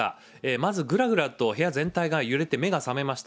まず、ぐらぐらと部屋全体が揺れて、目が覚めました。